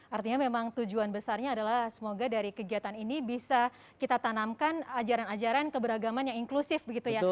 artinya memang tujuan besarnya adalah semoga dari kegiatan ini bisa kita tanamkan ajaran ajaran keberagaman yang inklusif begitu ya